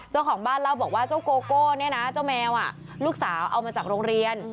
เจ้าของบ้านเล่าบอกว่าเจ้าโกโก้เนี่ยนะเจ้าแมวลูกสาวเอามาจากโรงเรียน